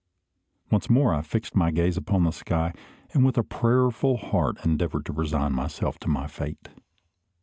Once more I fixed my gaze upon the sky, and with prayerful heart endeavoured to resign myself to my fate.